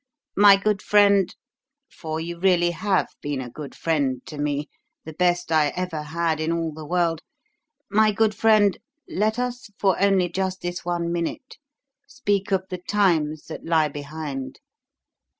"My good friend for you really have been a good friend to me, the best I ever had in all the world my good friend, let us for only just this one minute speak of the times that lie behind.